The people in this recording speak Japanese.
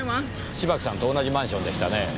芝木さんと同じマンションでしたね。